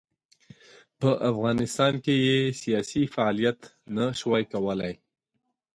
په افغانستان کې یې سیاسي فعالیت نه شوای کولای.